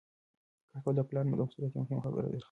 کار کول د پلار د مسؤلیت یوه مهمه برخه ده.